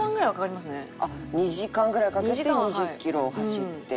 あっ２時間ぐらいかけて２０キロ走って。